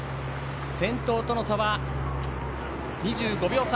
先頭との差は２５秒差。